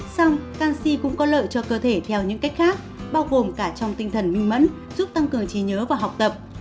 xong canxi cũng có lợi cho cơ thể theo những cách khác bao gồm cả trong tinh thần minh mẫn giúp tăng cường trí nhớ và học tập